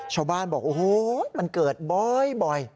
ชาวบ้านบอกโอ้โหมันเกิดบ่อย